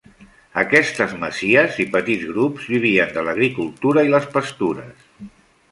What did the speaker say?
Aquestes masies i petits grups vivien de l'agricultura i les pastures.